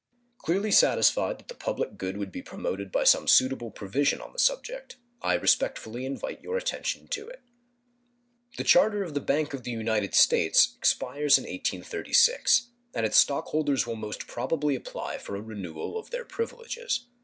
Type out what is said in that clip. Clearly satisfied that the public good would be promoted by some suitable provision on the subject, I respectfully invite your attention to it. The charter of the Bank of the United States expires in 1836, and its stock holders will most probably apply for a renewal of their privileges.